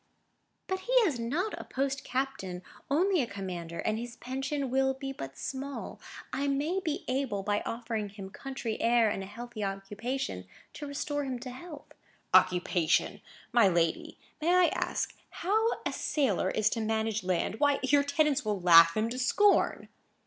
"But he is not a post captain, only a commander, and his pension will be but small. I may be able, by offering him country air and a healthy occupation, to restore him to health." "Occupation! My lady, may I ask how a sailor is to manage land? Why, your tenants will laugh him to scorn."